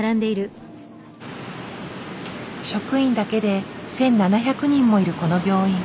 職員だけで１，７００人もいるこの病院。